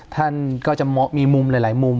ท่านก็จะมีมุมหลายมุม